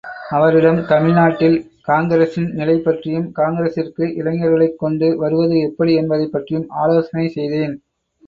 அவரிடம் தமிழ்நாட்டில் காங்கிரசின் நிலை பற்றியும், காங்கிரசிற்கு இளைஞர்களைக் கொண்டு வருவது எப்படி என்பதைப்பற்றியும் ஆலோசனை செய்தேன்.